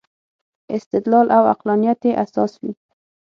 استدلال او عقلانیت یې اساس وي.